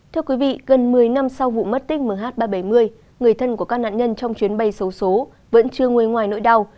thưa quý vị gần một mươi năm sau vụ mất tích mh ba trăm bảy mươi người thân của các nạn nhân trong chuyến bay xấu số vẫn chưa nguôi ngoài nỗi đau